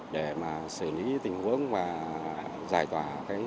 để xử lý tình huống và giải tỏa